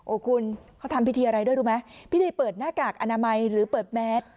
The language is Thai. คุณเขาทำพิธีอะไรด้วยรู้ไหมพิธีเปิดหน้ากากอนามัยหรือเปิดแมส